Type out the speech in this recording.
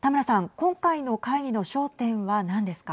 今回の会議の焦点は何ですか。